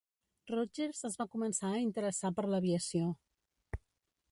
Rodgers es va començar a interessar per l'aviació.